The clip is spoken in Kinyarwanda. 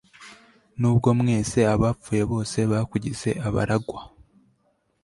Nubwo mwese abapfuye bose bakugize abaragwa